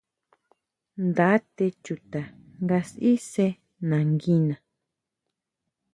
Nda té chuta nga sʼí sʼe nanguina.